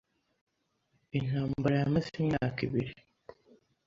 Intambara yamaze imyaka ibiri.